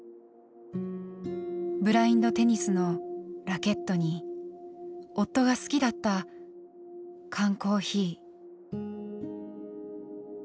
ブラインドテニスのラケットに夫が好きだった缶コーヒー。